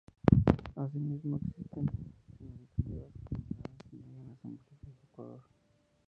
Asimismo, existen significativas comunidades indígenas en Bolivia y Ecuador.